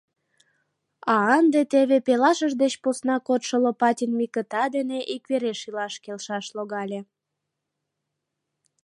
А ынде теве пелашыж деч посна кодшо Лопатин Микыта дене иквереш илаш келшаш логале.